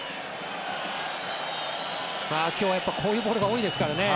今日はこういうボールが多いですからね。